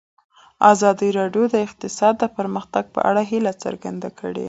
ازادي راډیو د اقتصاد د پرمختګ په اړه هیله څرګنده کړې.